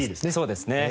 そうですね。